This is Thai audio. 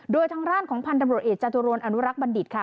โดยทางร่านของพันธบเอกจัตุโรนอนุรักษ์บัณฑิตค่ะ